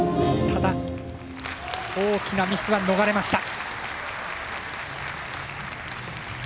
ただ、大きなミスは逃れました。